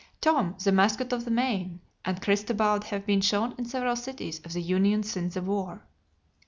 Tom, the mascot of the Maine, and Christobal have been shown in several cities of the Union since the war.